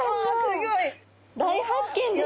大発見ですね！